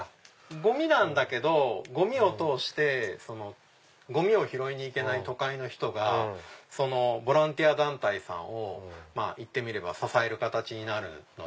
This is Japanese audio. ゴミなんだけどゴミを通してゴミを拾いに行けない都会の人がボランティア団体さんをいってみれば支える形になる。